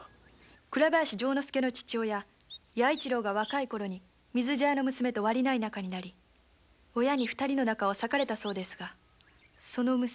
丈之助の父弥一郎が若いころ水茶屋の娘とわりない仲になり親に二人の仲を裂かれたそうですが娘の名がおうめ。